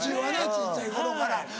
小っちゃい頃から。